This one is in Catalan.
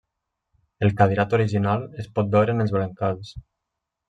El cadirat original es pot veure en els brancals.